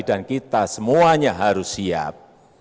dan kita semuanya harus siap